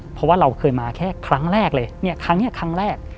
เพราะว่าเราเคยมาแค่ครั้งแรกเลยเนี่ยครั้งนี้ครั้งแรก